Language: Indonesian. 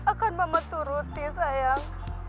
pasti akan mama turuti sayang